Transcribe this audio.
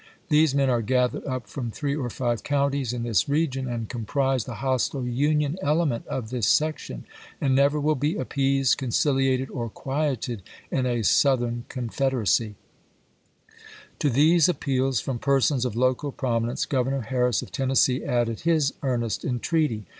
These men are gathered up from three Gnihamto ^^'^^^^ couutlcs in this rcgiou, and comprise the ^dJ^^sT hostile Union element of this section, and never will ^iJiih^' be appeased, conciliated, or quieted in a Southern IV.. p. 2:°i.' Confederacy." To these appeals from persons of local promi nence, Grovernor Harris of Tennessee added his earnest entreaty.